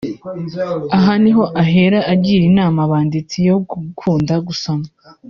Aha ni ho ahera agira inama abanditsi yo gukunda gusoma